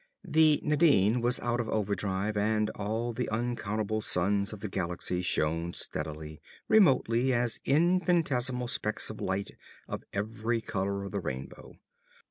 The Nadine was out of overdrive and all the uncountable suns of the galaxy shone steadily, remotely, as infinitesimal specks of light of every color of the rainbow.